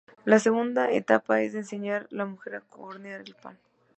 La segunda etapa es enseñar a la mujer cómo hornear el pan.